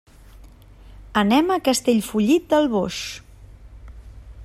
Anem a Castellfollit del Boix.